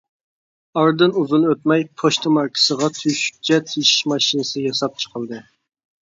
ئارىدىن ئۇزۇن ئۆتمەي، پوچتا ماركىسىغا تۆشۈكچە تېشىش ماشىنىسى ياساپ چىقىلدى.